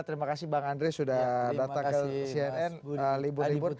terima kasih bang andre sudah datang ke cnn libur libur